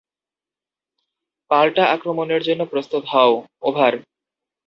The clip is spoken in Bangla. পাল্টা আক্রমণের জন্য প্রস্তুত হও, ওভার।